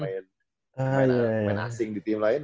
main asing di tim lain